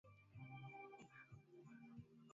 Jacob akamuwahi na kumjaza kisu kooni